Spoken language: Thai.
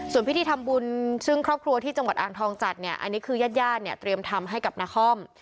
ส่วนพิธีทำบุญซึ่งครอบครัวที่จังหวัดอ่างทองจัดเนี่ยอันนี้คือญาติญาติเนี่ยเตรียมทำให้กับนาคอม